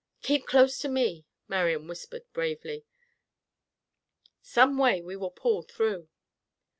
"Keep close to me," Marian whispered bravely. "Some way we will pull through."